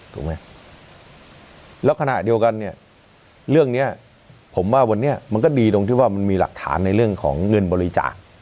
ถูกไหมแล้วขณะเดียวกันเนี่ยเรื่องนี้ผมว่าวันนี้มันก็ดีตรงที่ว่ามันมีหลักฐานในเรื่องของเงินบริจาค